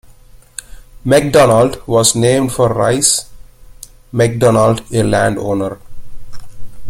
McDonald was named for Rice McDonald, a landowner.